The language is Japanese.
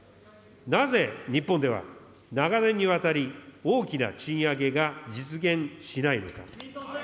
なぜ、日本では長年にわたり、大きな賃上げが実現しないのか。